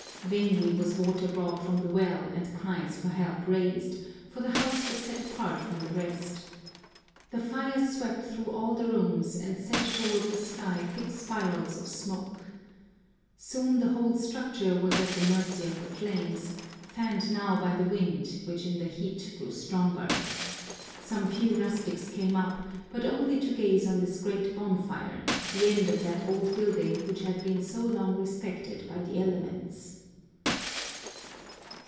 Vainly was water brought from the well and cries for help raised, for the house was set apart from the rest. The fire swept through all the rooms and sent toward the sky thick spirals of smoke. Soon the whole structure was at the mercy of the flames, fanned now by the wind, which in the heat grew stronger. Some few rustics came up, but only to gaze on this great bonfire, the end of that old building which had been so long respected by the elements.